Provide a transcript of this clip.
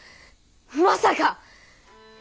まさか！